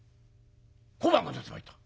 小判が出てまいった」。